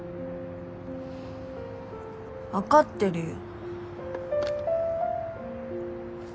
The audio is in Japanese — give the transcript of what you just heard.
わかってるよ。